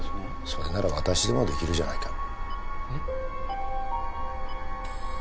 それなら私でも出来るじゃないか。